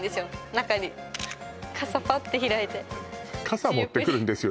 中に傘パッて開いて「傘持ってくるんですよ」